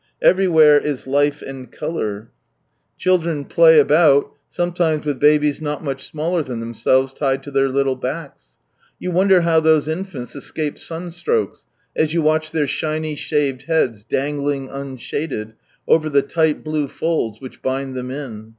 Everywhere is life and colour: children play about, sometimes with babies not much smaller than themselves, tied to their little backs. You wonder how those infants escape sunstrokes, as you watch iheir shiny shaved heads dangling unshaded, over the tight blue folds which bind them in.